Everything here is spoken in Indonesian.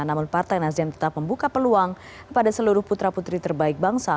namun partai nasdem tetap membuka peluang kepada seluruh putra putri terbaik bangsa